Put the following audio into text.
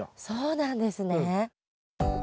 そうなんですね。